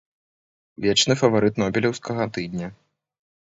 Вечны фаварыт нобелеўскага тыдня.